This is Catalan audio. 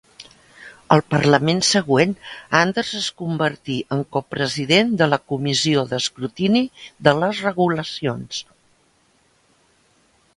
Al parlament següent, Anders es convertí en copresident de la Comissió d'escrutini de les regulacions.